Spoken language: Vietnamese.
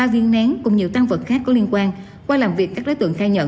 ba viên nén cùng nhiều tăng vật khác có liên quan